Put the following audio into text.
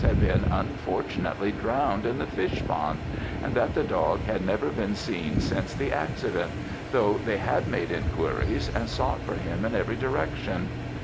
had been unfortunately drowned in the fish pond, and that the dog had never been seen since the accident, though they had made inquiries and sought for him in every direction.